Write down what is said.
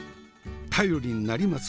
頼りになります